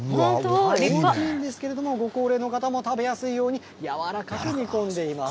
大きいんですけれども、ご高齢の方も食べやすいように、柔らかく煮込んでいます。